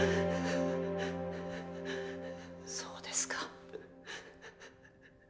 そうですか。